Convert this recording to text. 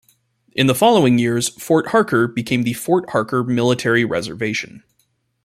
In the following years, Fort Harker became the Fort Harker Military Reservation.